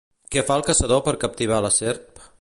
Què fa el caçador per captivar la serp?